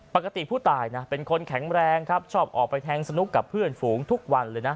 ปกติผู้ตายนะเป็นคนแข็งแรงครับชอบออกไปแทงสนุกกับเพื่อนฝูงทุกวันเลยนะ